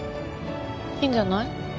いいんじゃない。